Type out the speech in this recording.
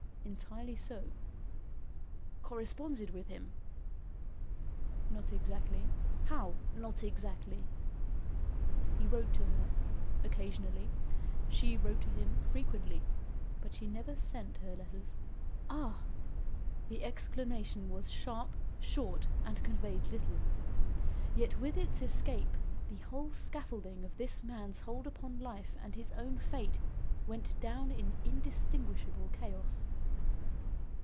"Entirely so." "Corresponded with him?" "Not exactly." "How, not exactly?" "He wrote to her occasionally. She wrote to him frequently but she never sent her letters." "Ah!" The exclamation was sharp, short and conveyed little. Yet with its escape, the whole scaffolding of this man's hold upon life and his own fate went down in indistinguishable chaos.